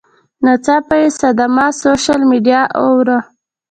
ناڅاپي صدمه ، سوشل میډیا اوور